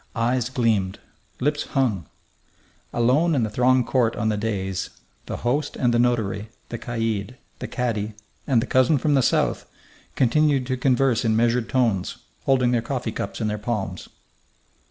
Eyes gleamed; lips hung.... Alone in the thronged court on the dais, the host and the notary, the caid, the cadi, and the cousin from the south continued to converse in measured tones, holding their coffee cups in their palms.